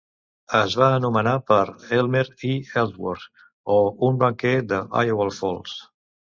Es va anomenar per Elmer E. Ellsworth, o un banquer d'Iowa Falls.